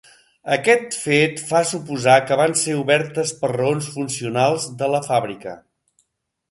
Aquest fet fa suposar que van ser obertes per raons funcionals de la fàbrica.